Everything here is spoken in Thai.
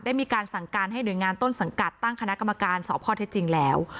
มีการสั่งการให้หน่วยงานต้นสังกัดตั้งคณะกรรมการสอบข้อเท็จจริงแล้ว